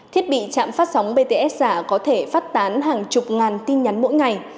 thiết bị chạm phát sóng bts giả có thể phát tán hàng chục ngàn tin nhắn mỗi ngày